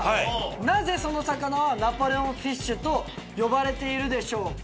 「なぜその魚はナポレオンフィッシュと呼ばれているでしょうか？」